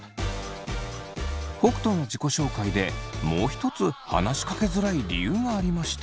北斗の自己紹介でもう一つ話しかけづらい理由がありました。